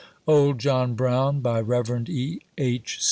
• "OLD JOHN BROWN." BY REV. E. H.